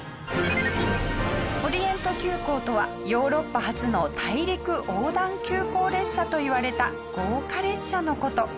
オリエント急行とはヨーロッパ初の大陸横断急行列車といわれた豪華列車の事。